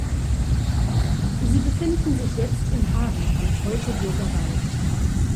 Sie befinden sich jetzt in Hagen am Teutoburger Wald.